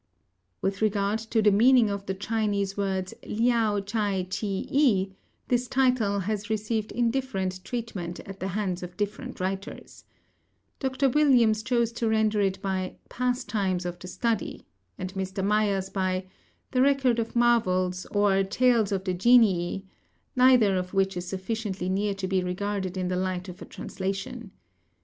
With regard to the meaning of the Chinese words Liao Chai Chih I, this title has received indifferent treatment at the hands of different writers. Dr. Williams chose to render it by "Pastimes of the Study," and Mr. Mayers by "The Record of Marvels, or Tales of the Genii;" neither of which is sufficiently near to be regarded in the light of a translation.